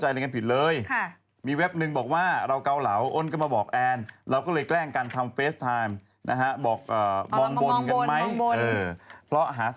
เห็นเขาเล่นแต่ละครคุณแอนอ่ะ